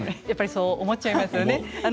やっぱりそう思っちゃいますよね。